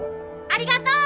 ありがとう。